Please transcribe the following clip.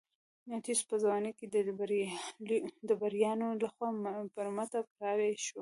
اتیوس په ځوانۍ کې د بربریانو لخوا برمته کړای شو.